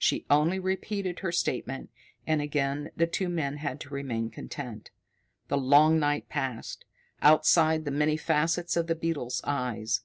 She only repeated her statement, and again the two men had to remain content. The long night passed. Outside the many facets of the beetle eyes.